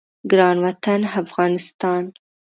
ګران وطن افغانستان